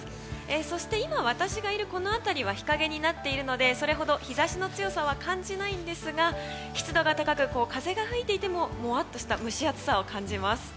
そして今、私がいるこの辺りは日陰になっているのでそれほど日差しの強さは感じないんですが湿度が高く風が吹いていてももわっとした蒸し暑さを感じます。